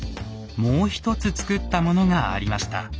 もう一つつくったものがありました。